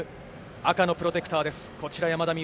赤のプロテクターです。